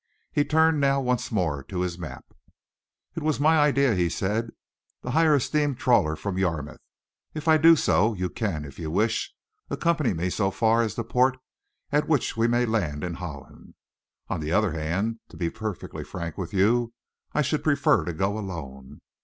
He turned now once more to his map. "It was my idea," he said, "to hire a steam trawler from Yarmouth. If I do so, you can, if you wish, accompany me so far as the port at which we may land in Holland. On the other hand, to be perfectly frank with you, I should prefer to go alone.